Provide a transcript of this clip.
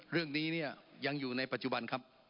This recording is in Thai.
เรื่องนี้เนี่ยยังอยู่ในปัจจุบันครับ